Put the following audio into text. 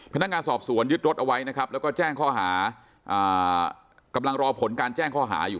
พนักงานสอบสวนยึดรถเอาไว้นะครับแล้วก็แจ้งข้อหากำลังรอผลการแจ้งข้อหาอยู่